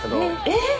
えっ？